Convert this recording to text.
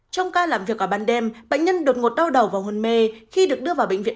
trong ca làm việc ở ban đêm bệnh nhân đột ngột đau đầu và hôn mê khi được đưa vào bệnh viện